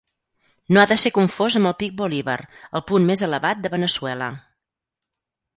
No ha de ser confós amb el Pic Bolívar, el punt més elevat de Veneçuela.